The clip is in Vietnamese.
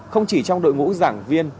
không chỉ trong đội ngũ giảng viên